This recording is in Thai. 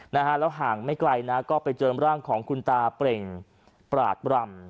นะฮะแล้วห่างไม่ไกลนะก็ไปเจอร่างของคุณตาเปล่งปราดบรำ